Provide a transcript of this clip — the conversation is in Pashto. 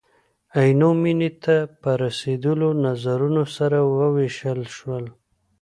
عینو مینې ته په رسېدلو نظرونه سره ووېشل شول.